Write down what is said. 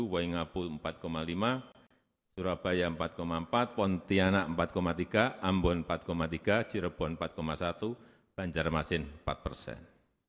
woyengapu empat lima persen surabaya empat empat persen pontianak empat tiga persen ambon empat tiga persen cirebon empat satu persen banjarmasin empat persen